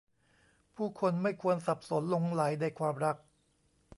ผู้คนไม่ควรสับสนหลงใหลในความรัก